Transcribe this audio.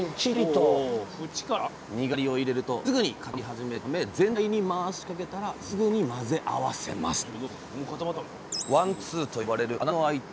にがりを入れるとすぐに固まり始めるため全体に回しかけたらすぐに混ぜ合わせますどうすんの？